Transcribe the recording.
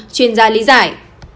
chuyên gia lý giải